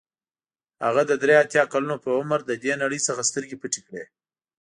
هغه د درې اتیا کلونو په عمر له دې نړۍ څخه سترګې پټې کړې.